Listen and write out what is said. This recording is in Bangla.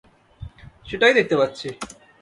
সেটাই দেখতে পাচ্ছি।